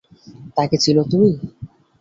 তাকে চিনো তুমি?